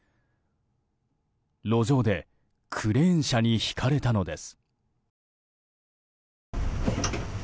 路上でクレーン車にひかれたのです。